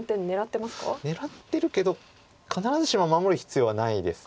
狙ってるけど必ずしも守る必要はないです。